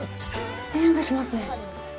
匂いがしますね。